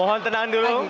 mohon tenang dulu